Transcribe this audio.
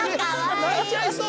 泣いちゃいそう。